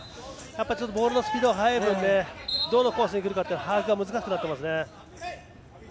ボールのスピードが速い分どのコースに来るか把握が難しくなっていますね。